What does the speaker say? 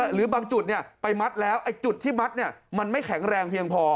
หรือบางจุดไปมัดแล้วไอ้จุดที่มัดมันไม่แข็งแรงเพียงพอ